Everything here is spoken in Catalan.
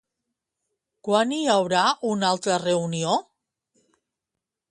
Quan hi haurà una altra reunió?